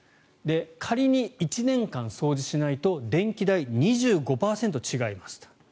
仮に１年間掃除しないと電気代、２５％違いますと。